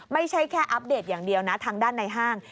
ไม่ใช่แค่อัปเดตอย่างเดียวนะทางด้านในห้าง